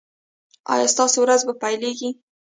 ایا ستاسو ورځ به پیلیږي؟